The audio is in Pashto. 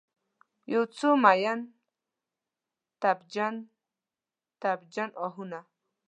یوڅو میین، تبجن، تبجن آهونه